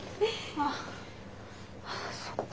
あそっか。